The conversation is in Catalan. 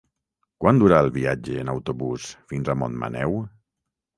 Quant dura el viatge en autobús fins a Montmaneu?